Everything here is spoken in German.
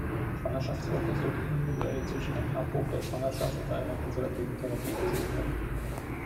Schwangerschaftswoche sollte individuell zwischen einem Abbruch der Schwangerschaft oder einer konservativen Therapie entschieden werden.